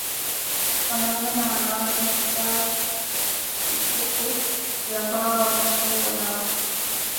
Wanaume na wanawake huvaa vikuku vya mbao Wamasai wanawake